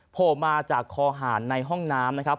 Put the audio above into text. โผล่มาจากคอหารในห้องน้ำนะครับ